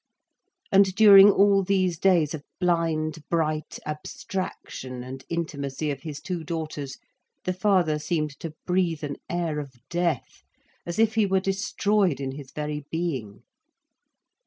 And during all these days of blind bright abstraction and intimacy of his two daughters, the father seemed to breathe an air of death, as if he were destroyed in his very being.